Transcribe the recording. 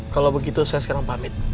kalau begitu saya sekarang pamit